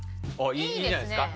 いいんじゃないですか？